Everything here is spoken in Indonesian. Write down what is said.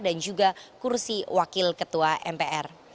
dan juga kursi wakil ketua mpr